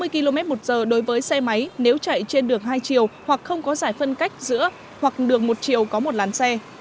sáu mươi km một giờ đối với xe máy nếu chạy trên đường hai chiều hoặc không có giải phân cách giữa hoặc đường một chiều có một làn xe